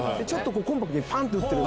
コンパクトにパンって打ってる。